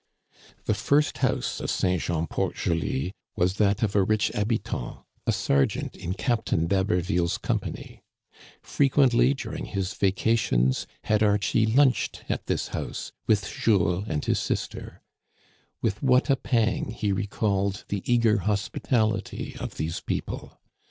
The first house of St. Jean Port JoH was that of a rich habitant^ a sergeant in Captain d'Haberville's com Digitized by VjOOQIC 172 THE CANADIANS OF OLD. pany. Frequently during his vacations had Archie lunched at this house with Jules and his sister. With what a pang he recalled the eager hospitality of these people.